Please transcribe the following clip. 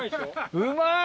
うまい！